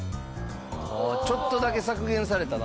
ああちょっとだけ削減されたな。